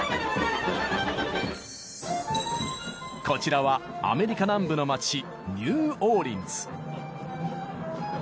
こちらはアメリカ南部の街ニューオーリンズ。